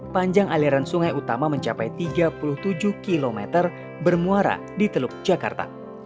panjang aliran sungai utama mencapai tiga puluh tujuh km bermuara di teluk jakarta